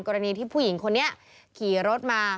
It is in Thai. กรณีที่ผู้หญิงคนนี้ขี่รถมา